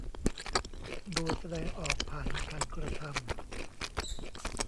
โดยแสดงออกผ่านการกระทำ